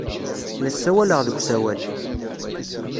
La ssawaleɣ deg usawal.